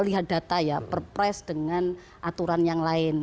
oleh karena kemudian saya melihat data ya perpres dengan aturan yang lain